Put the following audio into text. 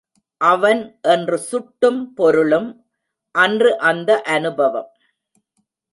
அவன் என்று சுட்டும் பொருளும் அன்று அந்த அநுபவம்.